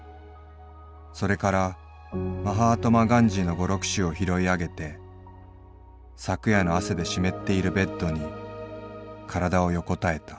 それからマハートマ・ガンジーの語録集を拾いあげて昨夜の汗で湿っているベッドに体を横たえた。